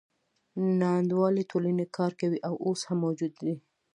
ناانډولې ټولنې کار کوي او اوس هم موجودې دي.